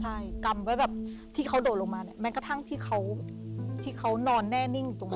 ใช่กำไว้แบบที่เขาโดดลงมาเนี่ยแม้กระทั่งที่เขาที่เขานอนแน่นิ่งอยู่ตรงนั้น